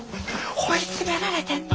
追い詰められてんの！